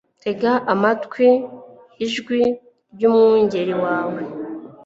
tega amatwi ijwi ry'umwungeri wawe